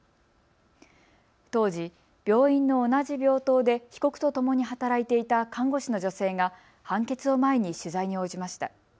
当時、病院の同じ病棟で被告とともに働いていた看護師の女性が判決を前に取材に応じました。